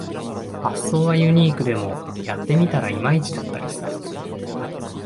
発想はユニークでもやってみたらいまいちだったりする